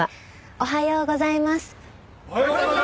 おはようございます！